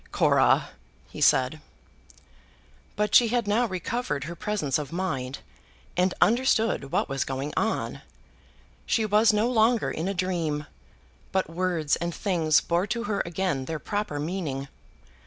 "Cora," he said, But she had now recovered her presence of mind, and understood what was going on. She was no longer in a dream, but words and things bore to her again their proper meaning.